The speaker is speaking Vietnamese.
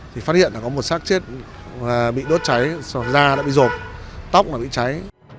thì phát hiện là có một xác chết bị đốt cháy da đã bị rột tóc đã bị cháy